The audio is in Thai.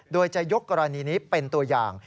โดยจะยกกรณีนี้เป็นตัวอย่าง